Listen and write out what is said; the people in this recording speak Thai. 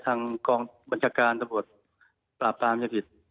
ทางกองบันดาการตะบดปราบตามยาเสพติด